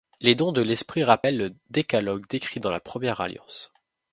Les dons de l'Esprit rappellent le Décalogue décrit dans la Première Alliance.